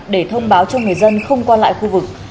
để thông báo cho người dân không qua lại khu vực